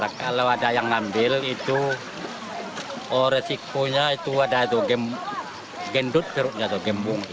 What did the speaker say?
kalau ada yang ambil itu resikonya itu ada gendut serutnya itu gembung